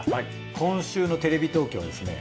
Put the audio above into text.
今週のテレビ東京はですね